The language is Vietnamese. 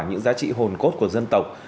những giá trị hồn cốt của dân tộc